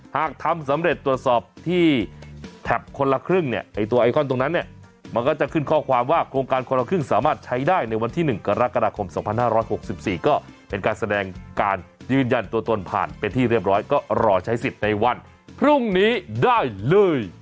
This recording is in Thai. หากทำสำเร็จตรวจสอบที่แถบคนละครึ่งเนี่ยไอ้ตัวไอคอนตรงนั้นเนี่ยมันก็จะขึ้นข้อความว่าโครงการคนละครึ่งสามารถใช้ได้ในวันที่๑กรกฎาคม๒๕๖๔ก็เป็นการแสดงการยืนยันตัวตนผ่านเป็นที่เรียบร้อยก็รอใช้สิทธิ์ในวันพรุ่งนี้ได้เลย